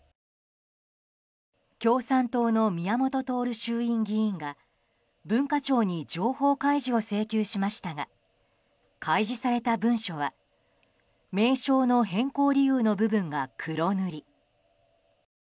共産党の宮本徹衆院議員が文化庁に情報開示を請求しましたが開示された文書は名称の変更理由の部分が黒塗り。